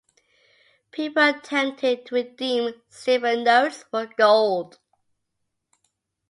People attempted to redeem silver notes for gold.